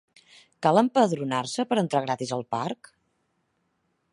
Cal empadronar-se per entrar gratis al parc?